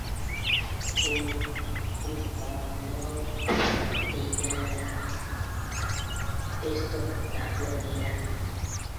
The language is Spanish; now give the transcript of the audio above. Su equivalente griego sería la diosa Artemisa.